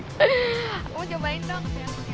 kamu cobain dong